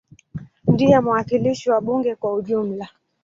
Ndiye mwakilishi wa bunge kwa ujumla.